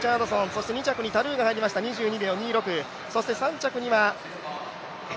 そして２着にタルーが入りました、２２秒２６。